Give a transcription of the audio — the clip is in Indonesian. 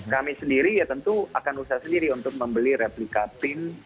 kami sendiri ya tentu akan usaha sendiri untuk membeli replika pin